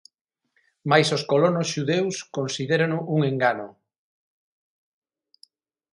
Mais os colonos xudeus considérano un "engano".